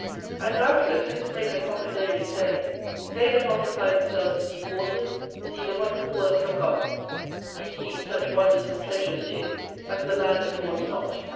And, doubtless, this made the prophet David say, "They that occupy themselves in deep waters, see the wonderful works of God": indeed such wonders and pleasures too, as the land affords not.